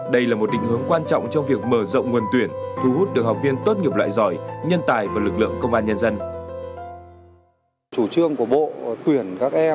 đây là một định hướng quan trọng trong việc mở rộng nguồn tuyển thu hút được học viên tốt nghiệp loại giỏi nhân tài và lực lượng công an nhân dân